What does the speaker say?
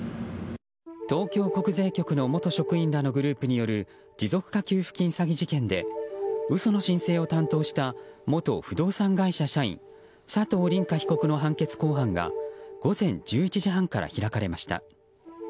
東京国税局の元職員らのグループによる持続化給付金詐欺事件で嘘の申請を担当した元不動産会社社員佐藤凜果被告の判決公判が午前１１時半から開かれました。